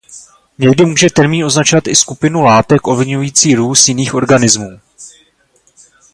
Někdy může termín označovat i skupinu látek ovlivňující růst jiných organizmů.